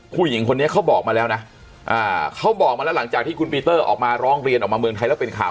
ผู้หญิงคนนี้เขาบอกมาแล้วนะเขาบอกมาแล้วหลังจากที่คุณปีเตอร์ออกมาร้องเรียนออกมาเมืองไทยแล้วเป็นข่าว